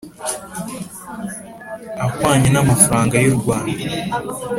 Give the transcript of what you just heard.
ahwanye n amafaranga y u Rwanda